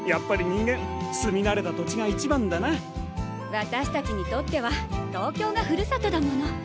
私たちにとっては東京がふるさとだもの。